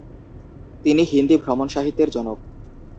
তিনি হিন্দি ভ্রমণসাহিত্যের জনক।